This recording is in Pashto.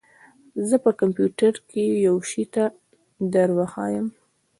زه به په کمپيوټر کښې يو شى دروښييم.